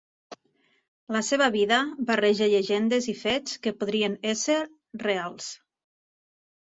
La seva vida barreja llegendes i fets que podrien ésser reals.